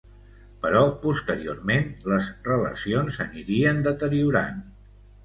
Però posteriorment les relacions s'anirien deteriorant.